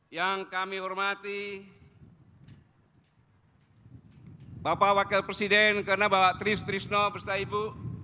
yang kami hormati bapak wakil presiden karena bawa trisno beserta ibu